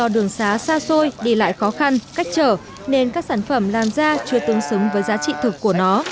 đường xá xa xôi đi lại khó khăn cách trở nên các sản phẩm làm ra chưa tương xứng với giá trị thực của nó